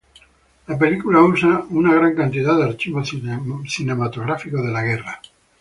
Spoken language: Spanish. La película usa una gran cantidad de archivos cinematográficos de la guerra.